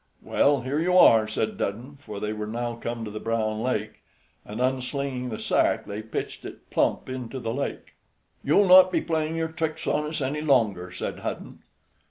"Well, here you are," said Dudden, for they were now come to the Brown Lake, and, unslinging the sack, they pitched it plump into the lake. "You'll not be playing your tricks on us any longer," said Hudden.